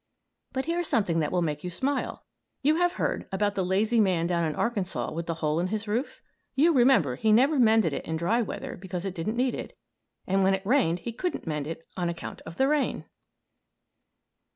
But here's something that will make you smile! You have heard about the lazy man down in Arkansas with the hole in his roof? You remember he never mended it in dry weather because it didn't need it, and when it rained he couldn't mend it on account of the rain!